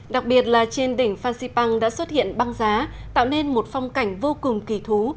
đặc biệt là trên đỉnh phan xipang đã xuất hiện băng giá tạo nên một phong cảnh vô cùng kỳ thú